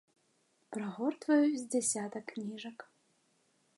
Прагортваю з дзясятак кніжак.